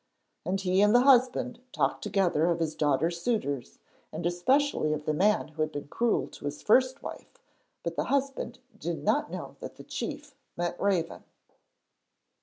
And he and the husband talked together of his daughter's suitors and especially of the man who had been cruel to his first wife, but the husband did not know that the chief meant Raven.